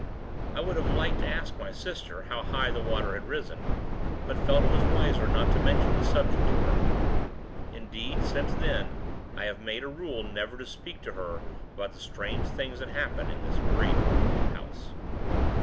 I would have liked to ask my sister, how high the water had risen; but felt it was wiser not to mention the subject to her. Indeed, since then, I have made a rule never to speak to her about the strange things, that happen in this great, old house.